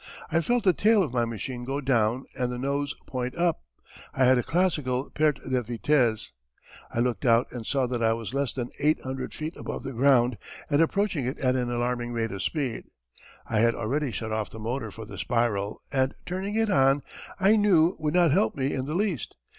I felt the tail of my machine go down and the nose point up. I had a classical perte de vitesse. I looked out and saw that I was less than eight hundred feet above the ground and approaching it at an alarming rate of speed. I had already shut off the motor for the spiral, and turning it on, I knew, would not help me in the least.